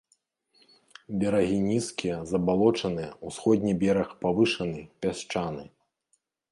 Берагі нізкія, забалочаныя, усходні бераг павышаны, пясчаны.